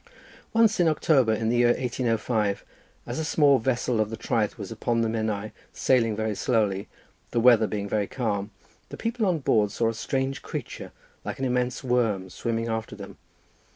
"Once in October, in the year 1805, as a small vessel of the Traeth was upon the Menai, sailing very slowly, the weather being very calm, the people on board saw a strange creature like an immense worm swimming after them.